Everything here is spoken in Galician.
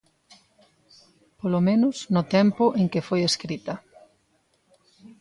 Polo menos, no tempo en que foi escrita.